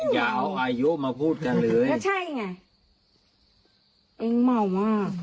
อย่าเอาอายุมาพูดกันเลยก็ใช่ไงเองเมามาก